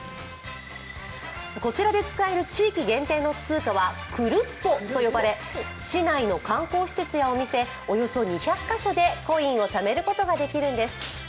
こちらで使える地域限定の通貨はクルッポと呼ばれ市内の観光施設やお店、およそ２００カ所でコインをためることができるんです。